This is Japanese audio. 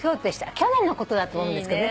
去年のことだと思うんですけどね。